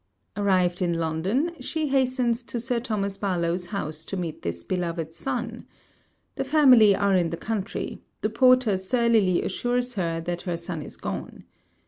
Arrived in London, she hastens to Sir Thomas Barlowe's house, to meet this beloved son. The family are in the country; the porter surlily assures her that her son is gone.